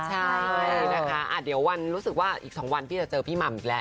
ใช่นะคะเดี๋ยววันรู้สึกว่าอีก๒วันพี่จะเจอพี่หม่ำอีกแล้ว